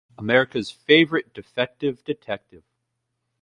America's Favorite Defective Detective!